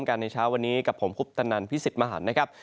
กันในเช้าวันนี้กับผมคุปตนันพิสิทธิ์มหันนะครับ